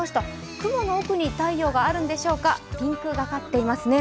雲の奥に太陽があるんでしょうか、ピンクがかっていますね。